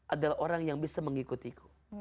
adalah orang yang bisa mengikutiku